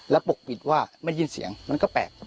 แล้วปกปิดว่าไม่ยินเสียงมันก็แปลกครับ